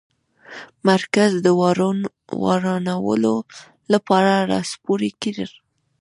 مرکز د ورانولو لپاره لاس پوري کړ.